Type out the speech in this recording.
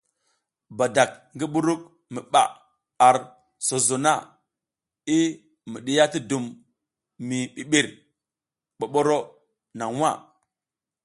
Badak ngi buruk mi ɓaʼa ar sozo na i mi ɗiya ti dum mi ɓiɓir ɓoɓoro naŋ nwa.